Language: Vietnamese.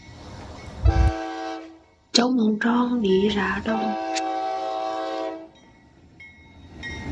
Chống troòng đi ra đồng